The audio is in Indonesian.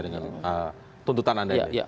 dengan tuntutan anda ini